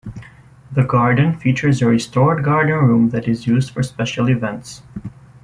The garden features a restored garden room that is used for special events.